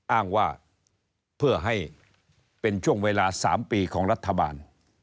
อ้างว่าเพื่อให้เป็นช่วงเวลา๓ปีของรัฐบาล